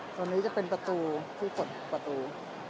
ตรงนี้จะเป็นประตูที่กดประตู